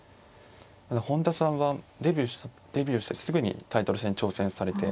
本田さんはデビューしてすぐにタイトル戦挑戦されて。